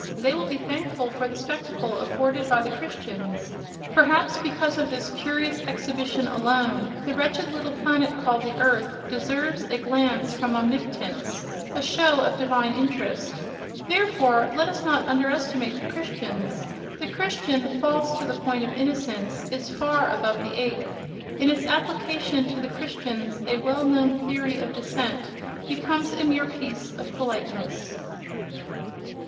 they will be thankful for the spectacle afforded by the Christians: perhaps because of this curious exhibition alone the wretched little planet called the earth deserves a glance from omnipotence, a show of divine interest.... Therefore, let us not underestimate the Christians: the Christian, false to the point of innocence, is far above the ape—in its application to the Christians a well known theory of descent becomes a mere piece of politeness....